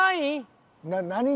何。